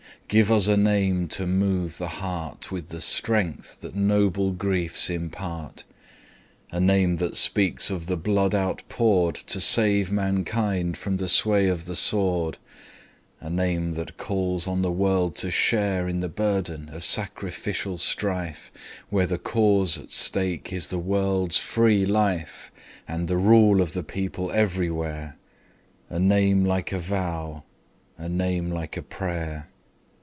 Give us a name to move the heartWith the strength that noble griefs impart,A name that speaks of the blood outpouredTo save mankind from the sway of the sword,—A name that calls on the world to shareIn the burden of sacrificial strifeWhere the cause at stake is the world's free lifeAnd the rule of the people everywhere,—A name like a vow, a name like a prayer.